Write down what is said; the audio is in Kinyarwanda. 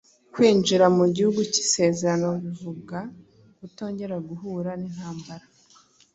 kwinjira mu gihugu cy’isezerano bivuga kutongera guhura n’intambara